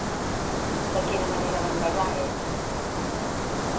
De quina manera van ballar ells?